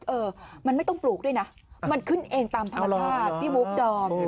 เออมันไม่ต้องปลูกด้วยนะมันขึ้นเองตามธรรมชาติพี่บุ๊คดอม